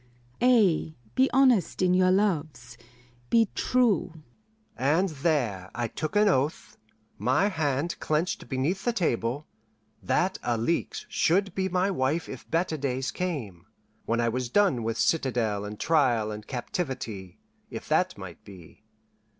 Ay, be honest in your loves. Be true." And there I took an oath, my hand clenched beneath the table, that Alixe should be my wife if better days came; when I was done with citadel and trial and captivity, if that might be.